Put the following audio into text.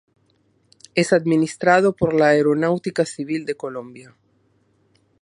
Es administrado por la Aeronáutica Civil de Colombia.